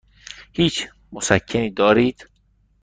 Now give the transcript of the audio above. هیچ مسکنی دارید؟